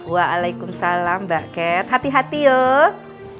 waalaikumsalam mbak cat hati hati yuk